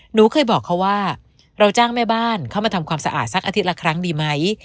หนูเคยบอกเขาว่าเราจ้างแม่บ้านเข้ามาทำความสะอาดสักอาทิตย์ละครั้งดีไหม